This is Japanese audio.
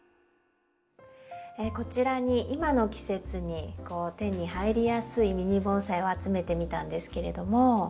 こちらに今の季節に手に入りやすいミニ盆栽を集めてみたんですけれども。